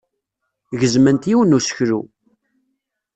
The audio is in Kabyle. Gezment yiwen n useklu.